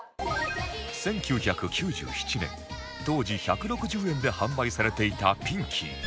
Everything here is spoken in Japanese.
１９９７年当時１６０円で販売されていたピンキー